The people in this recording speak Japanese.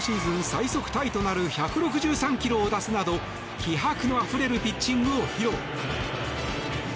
最速タイとなる１６３キロを出すなど気迫のあふれるピッチングを披露。